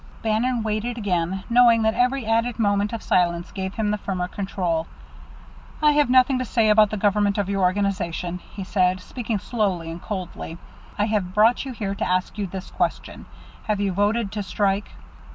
Bannon waited again, knowing that every added moment of silence gave him the firmer control. "I have nothing to say about the government of your organization," he said, speaking slowly and coldly. "I have brought you here to ask you this question, Have you voted to strike?"